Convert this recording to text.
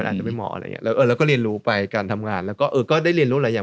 เราก็เรียนรู้ไปการทำงานแล้วก็ได้เรียนรู้หลายอย่าง